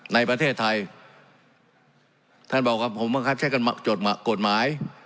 ในประเทศไทยท่านบอกว่าผมบังคับใช้กันจดกฎหมาย